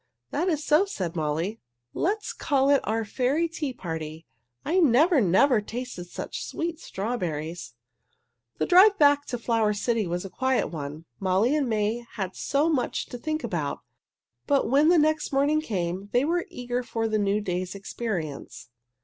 "That is so," said Molly. "Let's call it our Fairy Tea Party. I never, never tasted such sweet strawberries!" The drive back to the Flower City was a quiet one. Molly and May had so much to think about. But when the next morning came they were eager for the new day's experience.